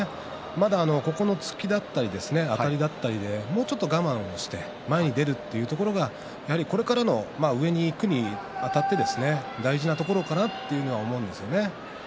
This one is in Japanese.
まだ突きだったりあたりだったりもうちょっと我慢して前に出るところがこれから上にいくにあたって大事なところかなと思うんですね。